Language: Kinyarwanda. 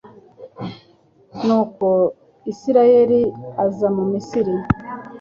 Nuko Israheli aza mu Misiri